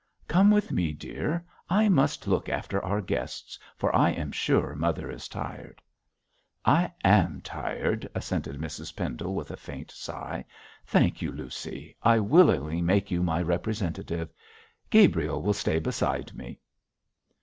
Come with me, dear. I must look after our guests, for I am sure mother is tired.' 'I am tired,' assented Mrs Pendle, with a faint sigh. 'Thank you, Lucy, I willingly make you my representative. Gabriel will stay beside me.'